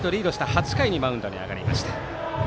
８回にマウンドに上がりました。